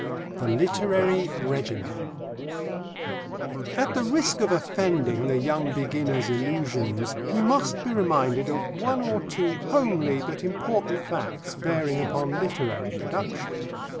THE LITERARY REGIMEN At the risk of offending the young beginner's illusions, he must be reminded of one or two homely but important facts bearing upon literary production.